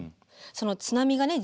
その津波がね